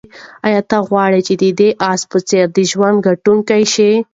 آیا ته غواړې چې د دې آس په څېر د ژوند ګټونکی شې؟